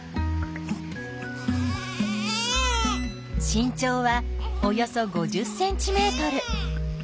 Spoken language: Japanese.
身長はおよそ５０ｃｍ。